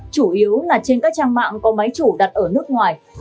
chủ yếu là trên các trang mạng có máy chủ đặt ở nước ngoài